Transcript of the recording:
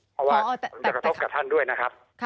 เพราะว่ามันจะกระทบกับท่านด้วยนะครับ